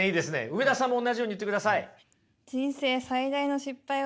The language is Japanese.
梅田さんもおんなじように言ってください。